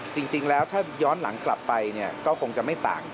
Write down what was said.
จริงแล้วถ้าย้อนหลังกลับไปก็คงจะไม่ต่าง